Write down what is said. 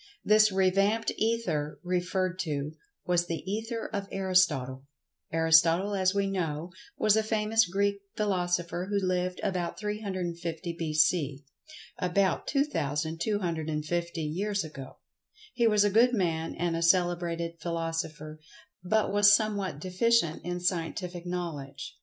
This revamped Ether, referred to, was the "Ether of Aristotle." Aristotle, as we know, was a famous Greek philosopher who lived about 350 b.c.—about 2250 years ago. He was a good man and a celebrated philosopher, but was somewhat deficient in scientific knowledge.